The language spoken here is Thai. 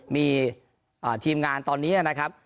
มีทีมงานตอนนี้นะครับ